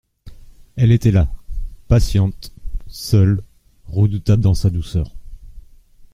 Elle était là, patiente, seule, redoutable dans sa douceur.